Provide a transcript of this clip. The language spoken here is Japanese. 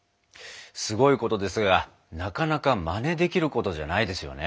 すごいことですがなかなかまねできることじゃないですよね。